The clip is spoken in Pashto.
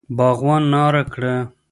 باغوان ناره کړه!